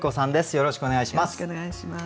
よろしくお願いします。